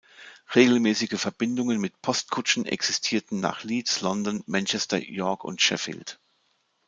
Regelmäßige Verbindungen mit Postkutschen existierten nach Leeds, London, Manchester, York und Sheffield.